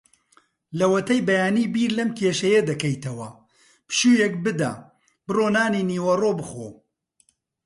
لەوەتەی بەیانی بیر لەم کێشەیە دەکەیتەوە. پشوویەک بدە؛ بڕۆ نانی نیوەڕۆ بخۆ.